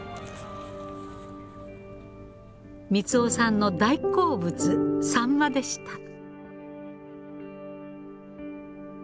三男さんの大好物サンマでした。